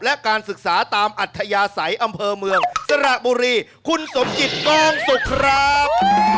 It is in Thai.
และการศึกษาตามอัธยาศัยอำเภอเมืองสระบุรีคุณสมจิตกองสุกครับ